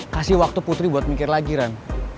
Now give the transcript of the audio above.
kasih waktu putri buat mikir lagi ran